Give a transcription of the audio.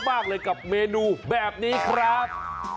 มากเลยกับเมนูแบบนี้ครับ